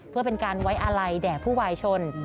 เพื่อเป็นการไว้อาลัยแด่ผู้วายชน